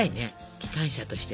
機関車としてさ。